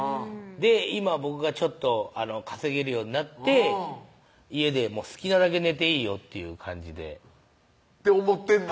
今僕がちょっと稼げるようになって家で好きなだけ寝ていいよっていう感じでって思ってんの？